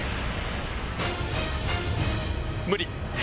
無理！